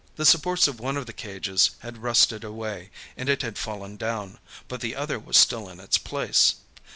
The supports of one of the cages had rusted away, and it had fallen down, but the other was still in its place.